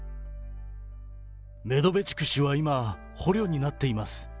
メドベチュク氏は今、捕虜になっています。